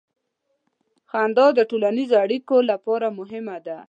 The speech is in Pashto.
• خندا د ټولنیزو اړیکو لپاره مهمه ده.